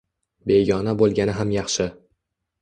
Begona bo‘lgani ham yaxshi